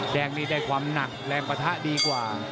แดงนี้ได้ความหนักแรงปะทะดีกว่า